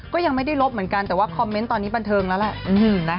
ก็ยังไม่ได้ลบเหมือนกันแต่ว่าคอมเมนต์ตอนนี้บันเทิงแล้วแหละ